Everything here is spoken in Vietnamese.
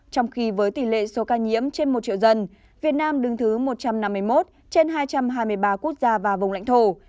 trong khi với tỷ lệ số ca nhiễm trên một triệu dân việt nam đứng thứ một trăm năm mươi một trên hai trăm hai mươi ba quốc gia và vùng lãnh thổ